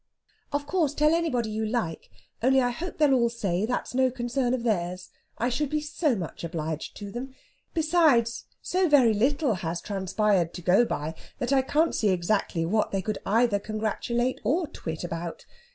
"Of course, tell anybody you like only I hope they'll all say that's no concern of theirs. I should be so much obliged to them. Besides, so very little has transpired to go by that I can't see exactly what they could either congratulate or twit about.